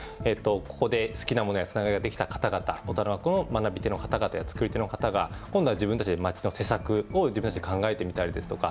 ここで好きなものやつながりができた方々、大人の学校の学び手の方々や作り手の方が今度は自分たちで町の施策を自分たちで考えてみたりですとか